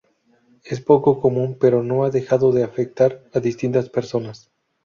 Es poco común, pero no ha dejado de afectar a distintas personas.